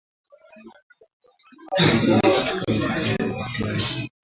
na yanayotokea kanda ya Afrika Mashariki na Kati katika kila nyanja ya habari